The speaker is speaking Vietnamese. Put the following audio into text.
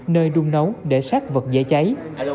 nơi đun nấu để sát vật dễ cháy